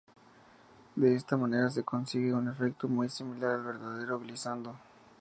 De esta manera se consigue un efecto muy similar al verdadero "glissando".